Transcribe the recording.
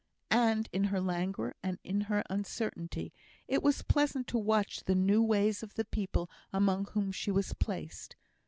And, in her languor and in her uncertainty, it was pleasant to watch the new ways of the people among whom she was placed.